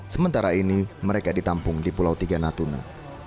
sementara ini mereka ditampung di pulau tiga natuna